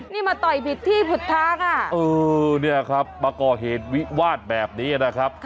นี่มาต่อยผิดที่ผิดทางอ่ะเออเนี่ยครับมาก่อเหตุวิวาดแบบนี้นะครับ